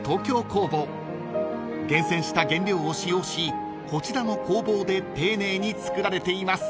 ［厳選した原料を使用しこちらの工房で丁寧に作られています］